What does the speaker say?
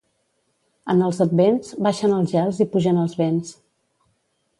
En els Advents baixen els gels i pugen els vents.